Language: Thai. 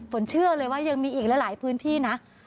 เชื่อเลยว่ายังมีอีกหลายพื้นที่นะ